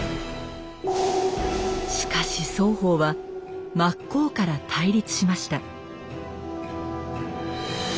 しかし双方は真っ向から対立しました。